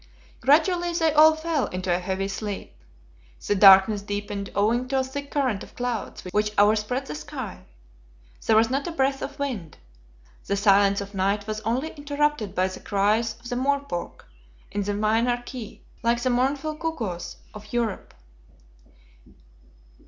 Gradually they all fell into a heavy sleep. The darkness deepened owing to a thick current of clouds which overspread the sky. There was not a breath of wind. The silence of night was only interrupted by the cries of the "morepork" in the minor key, like the mournful cuckoos of Europe.